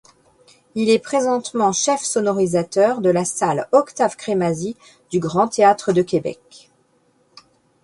Il est présentement chef sonorisateur de la salle Octave-Crémazie du Grand Théâtre de Québec.